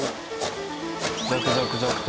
ザクザクザクと。